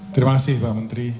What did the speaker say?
terima kasih pak menteri